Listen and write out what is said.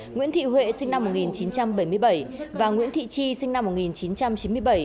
nguyễn thị huệ sinh năm một nghìn chín trăm bảy mươi bảy và nguyễn thị chi sinh năm một nghìn chín trăm chín mươi bảy